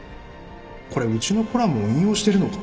これうちのコラムを引用してるのか